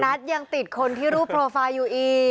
ยังติดคนที่รูปโปรไฟล์อยู่อีก